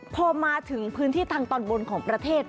พอมาถึงพื้นที่ทางตอนบนของประเทศ